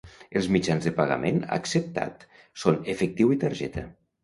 Els mitjans de pagament acceptat són efectiu i targeta.